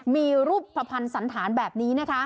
มีรูปผัดพันธ์สันธารแบบนี้